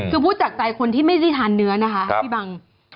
คือพูดจากใจคนที่ไม่ได้ทานเนื้อนะคะพี่บัง